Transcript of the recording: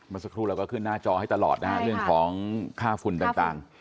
สักครู่เราก็ขึ้นหน้าจอให้ตลอดนะฮะเรื่องของค่าฝุ่นต่าง